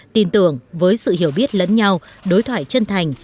tin tưởng với sự hiểu biết lẫn nhau đối thoại chân thành